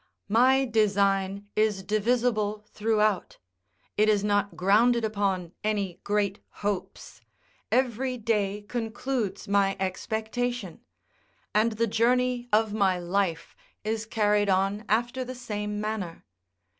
My design is divisible throughout: it is not grounded upon any great hopes: every day concludes my expectation: and the journey of my life is carried on after the same manner.